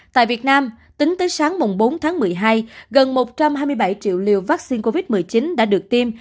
tại việt nam tính tới sáng bốn tháng một mươi hai gần một trăm hai mươi bảy triệu liều vaccine covid một mươi chín đã được tiêm